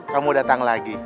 kamu datang lagi